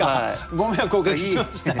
ご迷惑をおかけしました。